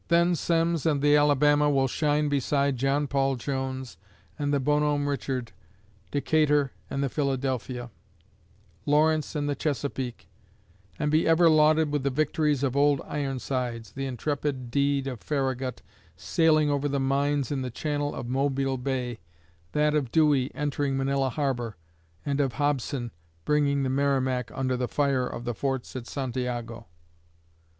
Then Semmes and the Alabama will shine beside John Paul Jones and the Bonhomme Richard, Decatur and the Philadelphia, Lawrence and the Chesapeake, and be ever lauded with the victories of Old Ironsides, the intrepid deed of Farragut sailing over the mines in the channel of Mobile Bay, that of Dewey entering Manila Harbor, and of Hobson bringing the Merrimac under the fire of the forts at Santiago.